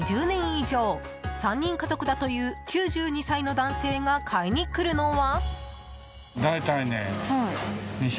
以上３人家族だという９２歳の男性が買いに来るのは。